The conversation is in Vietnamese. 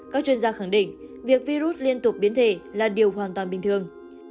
các chuyên gia khẳng định việc virus liên tục biến thể là điều hoàn toàn bình thường